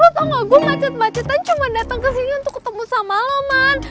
lo tau gak gue macet macetan cuma dateng kesini untuk ketemu sama lo man